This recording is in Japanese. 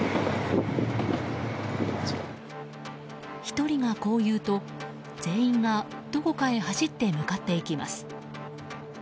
１人が、こう言うと全員がどこかに走って向かっていきます。